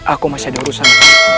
aku masih ada urusan